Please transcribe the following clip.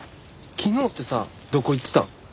昨日ってさどこ行ってたん？